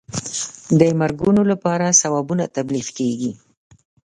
د مرګونو لپاره ثوابونه تبلیغ کېږي.